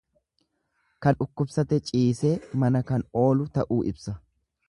Kan dhukkubsate ciisee mana kan oolu ta'uu ibsa.